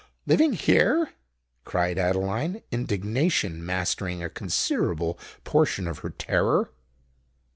"Living here!" cried Adeline, indignation mastering a considerable portion of her terror.